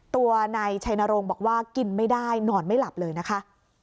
ตัวนายชัยนรงค์บอกว่ากินไม่ได้นอนไม่หลับเลยนะคะ